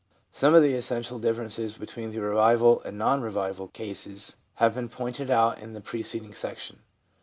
Some of the essential differences between the revival and non revival cases have been pointed out in the pre ceding section.